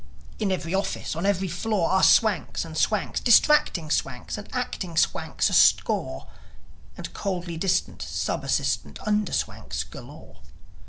In every office, on every floor Are Swanks, and Swanks, distracting Swanks, And Acting Swanks a score, And coldly distant, sub assistant Under Swanks galore.